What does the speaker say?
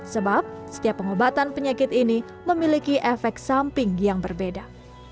sebab setiap pengobatan penyakit ini memiliki efek samping yang berbeda